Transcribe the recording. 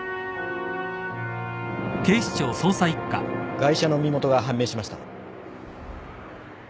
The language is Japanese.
ガイ者の身元が判明しました。